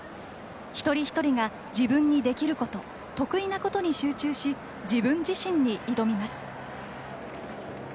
一人一人が自分にできること得意なことに集中し自分自身に挑みます。